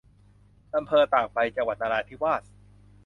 อำเภอตากใบ - จังหวัดนราธิวาส